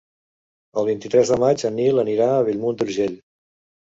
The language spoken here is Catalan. El vint-i-tres de maig en Nil anirà a Bellmunt d'Urgell.